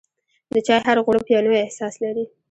د چای هر غوړپ یو نوی احساس لري.